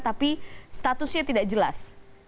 tapi statusnya tidak jelas